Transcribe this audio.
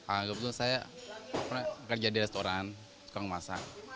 anggap anggap saya kerja di restoran suka ngemasak